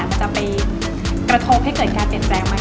มันจะไปกระทบให้เกิดการเปลี่ยนแปลงไหม